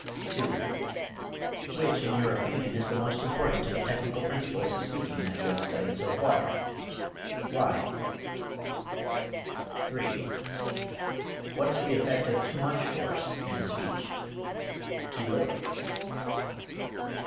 2. Which in your opinion is the most important of the technical principles of speaking that you have studied so far? Why? 3. What is the effect of too much force in a speech? Too little?